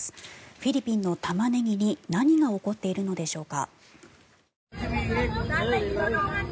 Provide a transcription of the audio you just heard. フィリピンのタマネギに何が起こっているのでしょうか。